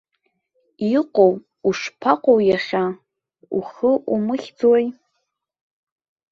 Иҟоу, ушԥаҟоу иахьа, ухы умыхьӡои?